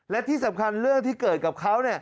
และที่สำคัญเรื่องที่เกิดกับเขา